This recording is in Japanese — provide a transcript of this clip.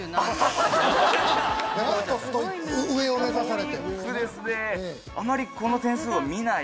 上を目指されて。